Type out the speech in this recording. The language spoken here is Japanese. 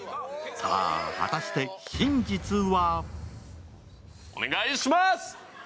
果たして真実は？